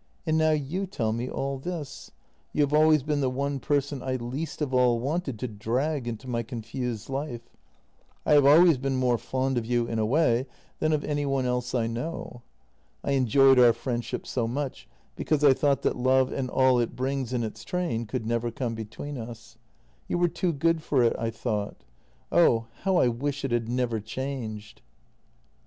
" And now you tell me all this. You have always been the one person I least of all wanted to drag into my confused life; I have always been more fond of you, in a way, than of any one else I know. I enjoyed our friendship so much, because I thought that love and all it brings in its train could never come between us. You were too good for it, I thought. Oh, how I wish it had never changed!